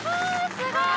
すごい。